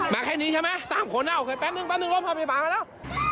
มาแค่นี้ใช่ไหมสามคนเถอะแป๊บหนึ่งลุกที่ผ่าไปมาแล้ว